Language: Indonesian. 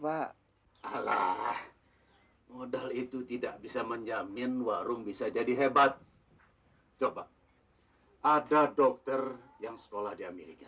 pak alah modal itu tidak bisa menjamin warung bisa jadi hebat coba ada dokter yang sekolah di amerika